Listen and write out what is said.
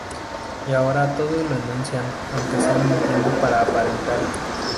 Y ahora todos lo enuncian, aunque sea mintiendo para aparentar.